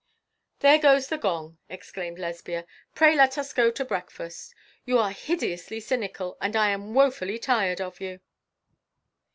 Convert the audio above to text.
'There goes the gong,' exclaimed Lesbia; 'pray let us go to breakfast. You are hideously cynical, and I am wofully tired of you.'